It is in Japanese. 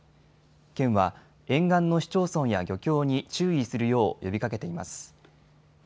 県は沿岸の市町村や漁協に注意するよう呼びかけています。